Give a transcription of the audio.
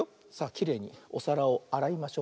きれいにおさらをあらいましょう。